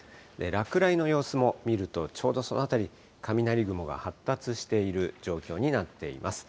落雷の様子も見ると、ちょうどその辺り、雷雲が発達している状況になっています。